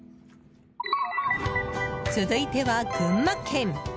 続いては、群馬県。